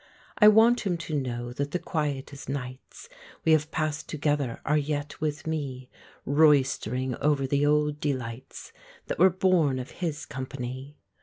I want him to know that the quietest nights We have passed together are yet with me Roistering over the old delights That were born of his company.